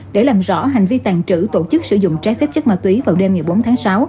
để làm rõ hành vi tàn trữ tổ chức sử dụng trái phép chất ma túy vào đêm ngày bốn tháng sáu